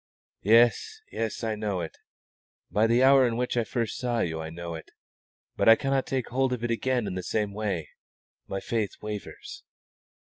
"Yes, yes, I know it. By the hour in which I first saw you I know it; but I cannot take hold of it again in the same way. My faith wavers."